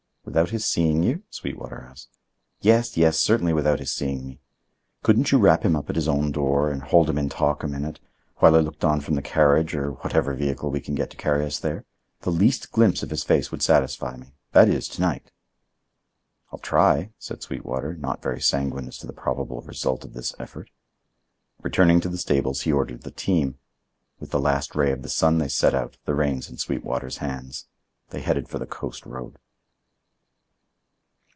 "Without his seeing you?" Sweetwater asked. "Yes, yes; certainly without his seeing me. Couldn't you rap him up at his own door, and hold him in talk a minute, while I looked on from the carriage or whatever vehicle we can get to carry us there? The least glimpse of his face would satisfy me. That is, to night." "I'll try," said Sweetwater, not very sanguine as to the probable result of this effort. Returning to the stables, he ordered the team. With the last ray of the sun they set out, the reins in Sweetwater's hands. They headed for the coast road.